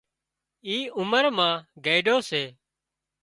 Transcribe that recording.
اي عمر مان گئيڍو سي